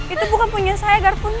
itu bukan punya saya garpunya